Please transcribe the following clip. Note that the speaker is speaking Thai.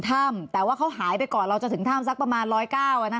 ถ้ำแต่ว่าเขาหายไปก่อนเราจะถึงถ้ำสักประมาณ๑๐๙อ่ะนะ